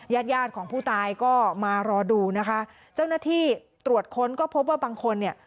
ญาติญาติของผู้ตายก็มารอดูนะคะเจ้าหน้าที่ตรวจค้นก็พบว่าบางคนเนี่ย